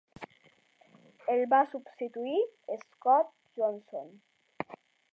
el va substituïr Scott Johnson.